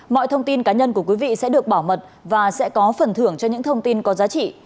mọi thông tin cá nhân của quý vị sẽ được bảo mật và sẽ có phần thưởng cho những thông tin có giá trị